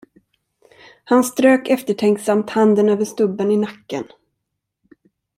Han strök eftertänksamt handen över stubben i nacken.